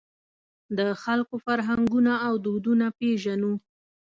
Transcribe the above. د خلکو فرهنګونه او دودونه پېژنو.